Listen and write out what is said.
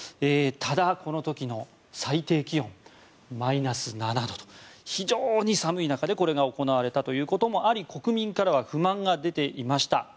ただ、この時の最低気温マイナス７度と非常に寒い中でこれが行われたということもあり国民からは不満が出ていました。